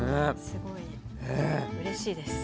すごいうれしいです。